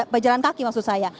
pejalan kaki maksud saya